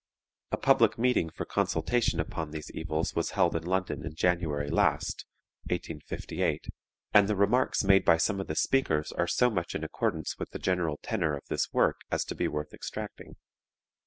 A public meeting for consultation upon these evils was held in London in January last (1858), and the remarks made by some of the speakers are so much in accordance with the general tenor of this work as to be worth extracting.